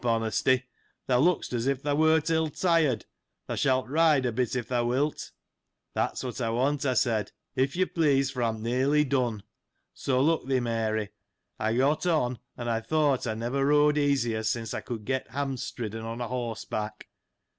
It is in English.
Honesty, thou lookst as if thou wert ill tired : thou shalt ride a bit if thou wilt." " That's what I want," I said, " if you please, for I am nearly done." So, look thee, Mary, I got on, and I thought I never rode easier since I could get ham stridden on horse back.